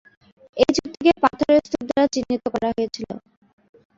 এই চুক্তিকে পাথরের স্তূপ দ্বারা চিহ্নিত করা হয়েছিল।